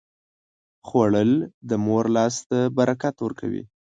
خوړل د مور لاس ته برکت ورکوي